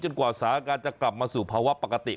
กว่าสถานการณ์จะกลับมาสู่ภาวะปกติ